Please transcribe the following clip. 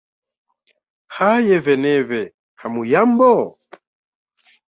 Haye veneve hamuyambo?